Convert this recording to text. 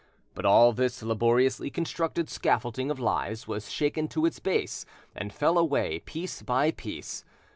But all this laboriously constructed scaffolding of lies was shaken to its base and fell away piece by piece.